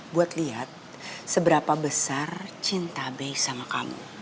buat lihat seberapa besar cinta baik sama kamu